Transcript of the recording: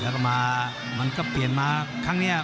แล้วก็มามันก็เปลี่ยนมาครั้งนี้